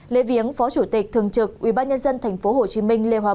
lễ viếng phó chủ tịch thường trực ủy ban nhân dân tp hcm